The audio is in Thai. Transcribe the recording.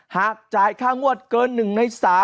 หากจ่ายค่างวดเกิน๑ใน๓